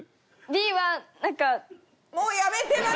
もうやめて！